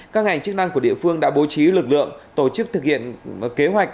các ngành chức năng của địa phương đã bố trí lực lượng tổ chức thực hiện kế hoạch